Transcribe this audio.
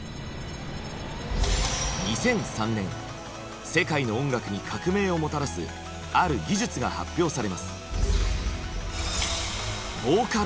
２００３年世界の音楽に革命をもたらすある技術が発表されます。